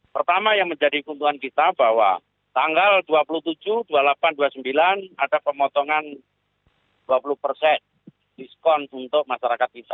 pertama yang menjadi keuntungan kita bahwa tanggal dua puluh tujuh dua puluh delapan dua puluh sembilan ada pemotongan dua puluh persen diskon untuk masyarakat kita